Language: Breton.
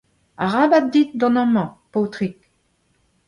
Arabat dit dont amañ, paotrig !